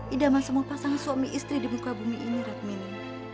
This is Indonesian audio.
idaman semua pasangan suami istri di muka bumi ini redmini